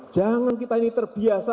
jangan kita ini terbiasa